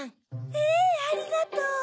ええありがとう。